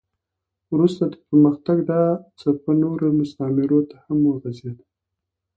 وروسته د پرمختګ دا څپه نورو مستعمرو ته هم وغځېده.